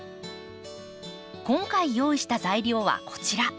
今回用意した材料はこちら。